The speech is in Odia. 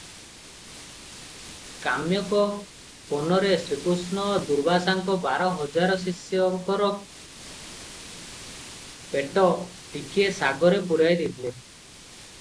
କାମ୍ୟକ ବନରେ ଶ୍ରୀକୃଷ୍ଣ ଦୁର୍ବାସାଙ୍କ ବାର ହଜାର ଶିଷ୍ୟଙ୍କର ପେଟ ଟିକିଏ ଶାଗରେ ପୂରାଇ ଦେଇଥିଲେ ।